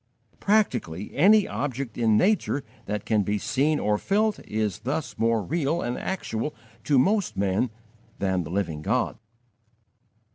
Practically, any object in nature that can be seen or felt is thus more real and actual to most men than the Living God.